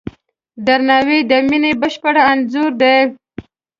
درناوی د مینې بشپړ انځور دی.